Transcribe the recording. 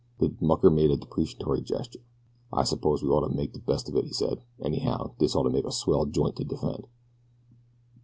The mucker made a deprecatory gesture. "I suppose we gotta make de best of it," he said. "Anyhow, dis ought to make a swell joint to defend."